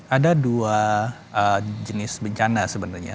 ada dua jenis bencana sebenarnya